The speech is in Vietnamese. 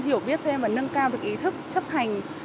hiểu biết thêm và nâng cao được ý thức chấp hành